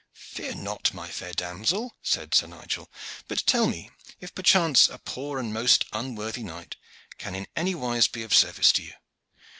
"Fear not, my fair damsel," said Sir Nigel, "but tell me if perchance a poor and most unworthy knight can in any wise be of service to you.